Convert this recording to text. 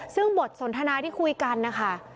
ซึ่งบทสนทนาที่คุยกันนะคะ